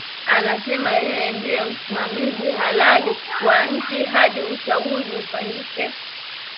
Anasema yeye ndie msimamizi halali wa nchi hadi uchaguzi ufanyike